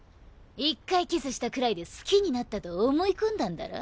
１回キスしたくらいで好きになったと思い込んだんだろ？